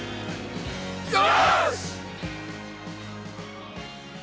よし！